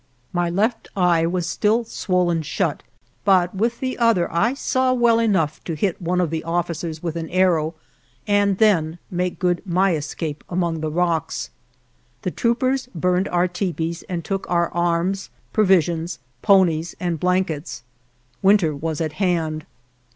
My left eye was still swollen shut, but with the other I saw well enough to hit one of the officers with an arrow, and then make good my escape among the rocks. The troopers burned our tepees and took our arms, provisions, ponies, and blankets. Winter was at hand.